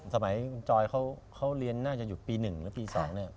สมัยจอยเขาเรียนน่าจะอยู่ปี๑แล้วปี๒เนี่ย